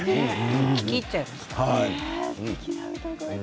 聞き入っちゃいました。